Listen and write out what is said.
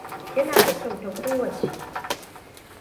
Kina da kyau ta kowace.